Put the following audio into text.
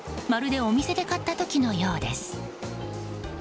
まるでお店で買った時のようです。